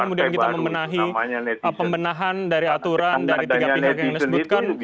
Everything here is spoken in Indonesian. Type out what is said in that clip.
kemudian kita membenahi pembenahan dari aturan dari tiga pihak yang disebutkan